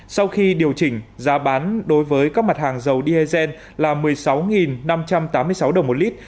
sau khi điều chỉnh giá bán đối với các mặt hàng dầu diesel là một mươi sáu năm trăm tám mươi sáu đồng một lít